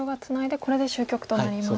これで終局となります。